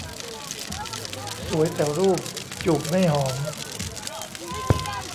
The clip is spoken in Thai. สวยแต่รูป จูบไม่หอม